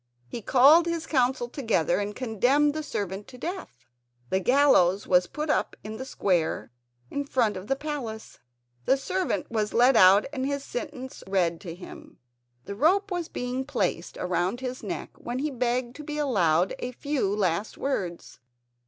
He called his Council together and condemned the servant to death. The gallows was put up in the square in front of the palace. The servant was led out and his sentence read to him. The rope was being placed round his neck, when he begged to be allowed a few last words.